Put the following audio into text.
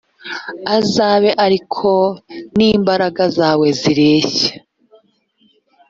azabe ari ko n’imbaraga zawe zireshya.